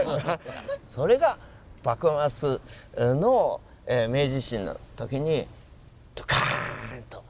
それが幕末の明治維新の時にドカーンと。